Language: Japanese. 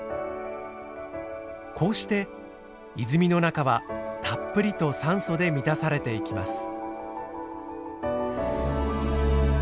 こうして泉の中はたっぷりと酸素で満たされていきます。